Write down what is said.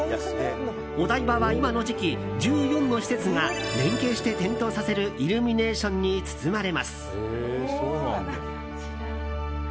お台場は今の時期１４の施設が連携して点灯させるイルミネーションに包まれます。